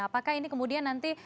apakah ini kemudian nanti